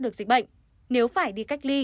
được dịch bệnh nếu phải đi cách ly